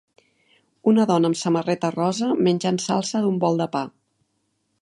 Una dona amb samarreta rosa menjant salsa d'un bol de pa.